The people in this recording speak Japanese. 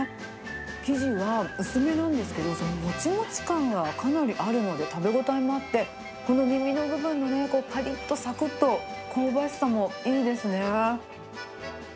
生地は薄めなんですけど、もちもち感がかなりあるので、食べ応えもあって、この耳の部分のぱりっと、さくっと香ばしさもいいですね。